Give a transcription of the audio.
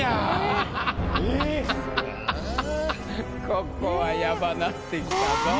ここはヤバなってきたぞ。